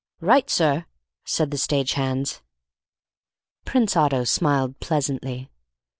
"Right, sir!" said the stage hands. Prince Otto smiled pleasantly.